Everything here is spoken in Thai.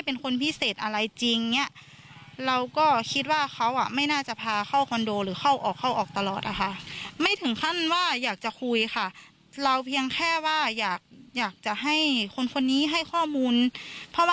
น้องสาวของคุณอามเนี่ยบอกว่าอยากให้ตำรวจเจ้าของคดีนะครับ